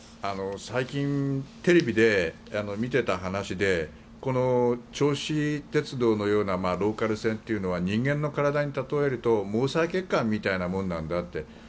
最近テレビで見ていた話でこの銚子鉄道のようなローカル線というのは人間の体に例えると毛細血管みたいなものなんだって